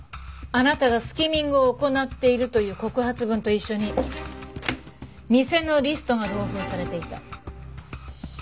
あなたがスキミングを行っているという告発文と一緒に店のリストが同封されていた。